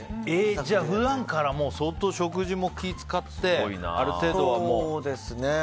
じゃあ、普段から相当、食事も気を使ってそうですね。